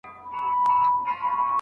نن ځکه په غوسه دی